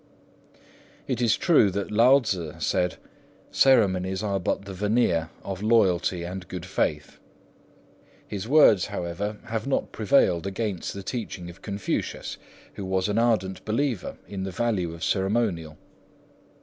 It is true that Lao Tzŭ said, "Ceremonies are but the veneer of loyalty and good faith." His words, however, have not prevailed against the teaching of Confucius, who was an ardent believer in the value of ceremonial.